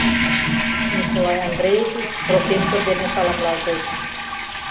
Николай Андреевич профессор дене саламлалтеш.